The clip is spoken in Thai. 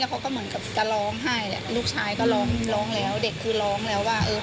ก็ร้องให้ลูกชายก็ร้องร้องแล้วเด็กคือร้องแล้วว่าเออพ่ออย่าทำเลยนะ